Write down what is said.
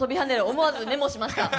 思わずメモしました。